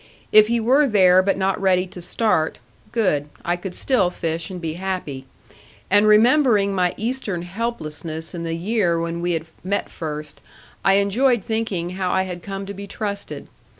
If he were there but not ready to start, good; I could still fish and be happy. And remembering my Eastern helplessness in the year when we had met first, I enjoyed thinking how I had come to be trusted.